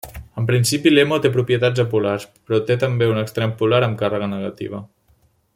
En principi l'hemo té propietats apolars, però té també un extrem polar amb càrrega negativa.